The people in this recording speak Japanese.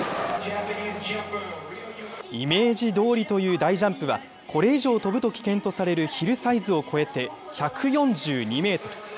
イメージどおりという大ジャンプは、これ以上飛ぶと危険とされるヒルサイズを超えて１４２メートル。